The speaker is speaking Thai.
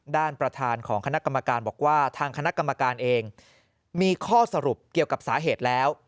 ด้านประธานของคณะกรรมการบอกว่าทางคณะกรรมการเองมีข้อสรุปเกี่ยวกับสาเหตุแล้ว